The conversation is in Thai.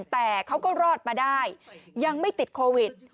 แต่เขาก็รอดมาได้ยังไม่ติดโควิด